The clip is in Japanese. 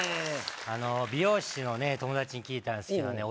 あの美容師の友達に聞いたんすけどね